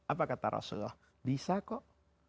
apa kata rasulullah bisa kok